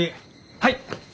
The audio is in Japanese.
はい！